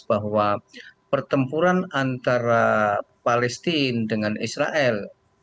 bahwa pertempuran antara palestina dengan israel